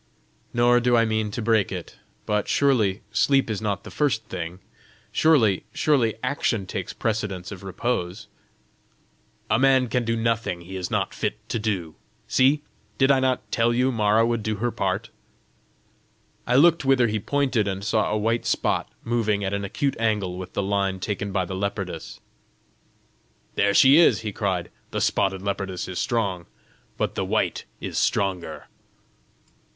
"Nor do I mean to break it. But surely sleep is not the first thing! Surely, surely, action takes precedence of repose!" "A man can do nothing he is not fit to do. See! did I not tell you Mara would do her part?" I looked whither he pointed, and saw a white spot moving at an acute angle with the line taken by the leopardess. "There she is!" he cried. "The spotted leopardess is strong, but the white is stronger!"